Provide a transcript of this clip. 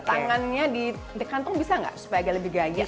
tangannya di kantong bisa gak supaya agak lebih gagik